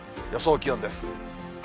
予想気温です。